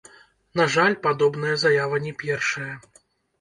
На жаль, падобная заява не першая.